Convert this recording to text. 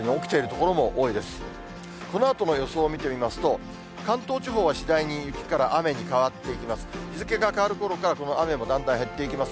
このあとの予想を見てみますと、関東地方は次第に雪から雨に変わっていきます。